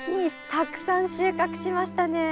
たくさん収穫しましたね。